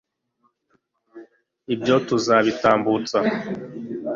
Ibyo tuzabitambutsa